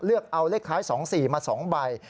เลือกเอาเลขท้าย๒๔มา๒ใบ